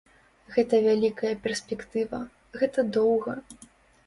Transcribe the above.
Гэта вялікая перспектыва, гэта доўга.